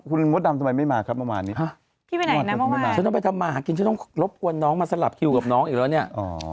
คุณมดดามทำไมไม่มาครับเพื่อนที่ไปไปทำไมมากินต้องลบกวนน้องมาสลับคิวกับน้องเอบเนี้ย